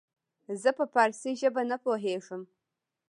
زه په پاړسي زبه نه پوهيږم